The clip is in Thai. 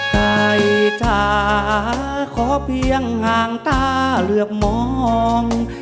ใกล้ตาขอเพียงห่างตาเลือกมอง